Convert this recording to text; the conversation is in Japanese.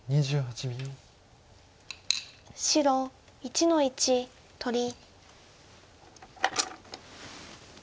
白１の一取り。